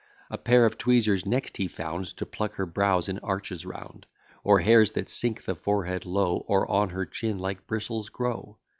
A pair of tweezers next he found, To pluck her brows in arches round; Or hairs that sink the forehead low, Or on her chin like bristles grow.